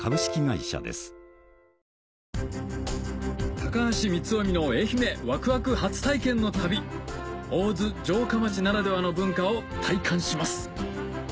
高橋光臣の愛媛ワクワク初体験の旅大洲城下町ならではの文化を体感します